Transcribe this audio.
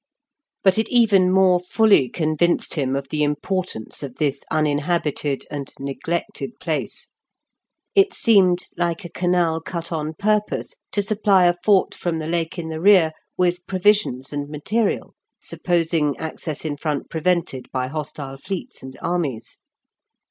But it even more fully convinced him of the importance of this uninhabited and neglected place. It seemed like a canal cut on purpose to supply a fort from the Lake in the rear with provisions and material, supposing access in front prevented by hostile fleets and armies.